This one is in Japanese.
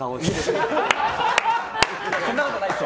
そんなことないですよ。